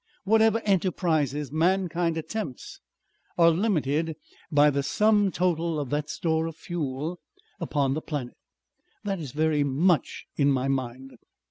Whatever enterprises mankind attempts are limited by the sum total of that store of fuel upon the planet. That is very much in my mind.